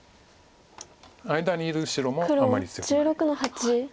間にいる白もあまり強くない。